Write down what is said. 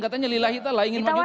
katanya lila hitalah ingin maju terus